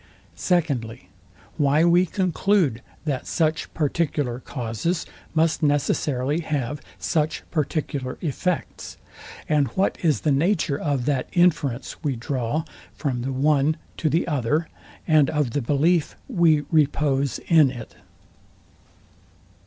Secondly, Why we conclude, that such particular causes must necessarily have such particular effects; and what is the nature of that inference we draw from the one to the other, and of the belief we repose in it?